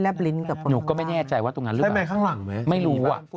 แลบลิ้นกับคนข้างหลังหนูก็ไม่แน่ใจว่าตรงนั้นหรือเปล่าใช่ไหมข้างหลังไหมไม่รู้อ่ะ